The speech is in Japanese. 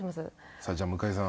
さあじゃあ向井さん。